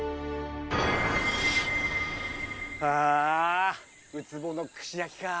あウツボの串焼きか。